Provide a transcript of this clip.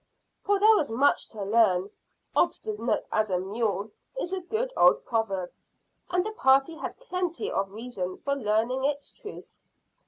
For there was much to learn. "Obstinate as a mule" is a good old proverb, and the party had plenty of reason for learning its truth.